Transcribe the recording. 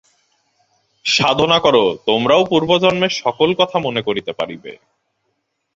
সাধনা কর, তোমরাও পূর্বজন্মের সকল কথা মনে করিতে পারিবে।